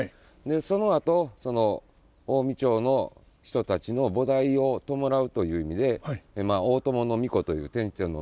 そのあとその近江朝の人たちの菩提を弔うという意味で大友皇子という天智天皇の皇子ですね。